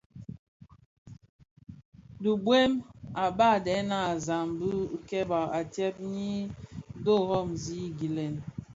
Dhibuem, badèna a zam dhi kèba a tyèn nyi dhorozi gilèn.